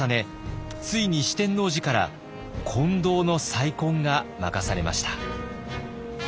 ついに四天王寺から金堂の再建が任されました。